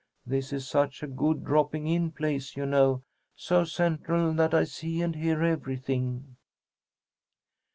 This is such a good dropping in place, you know. So central that I see and hear everything."